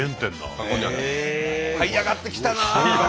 はい上がってきたな。